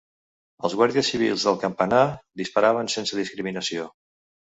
Els guàrdies civils del campanar disparaven sense discriminació